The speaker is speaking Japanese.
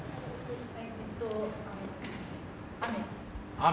雨。